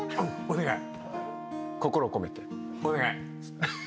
お願い。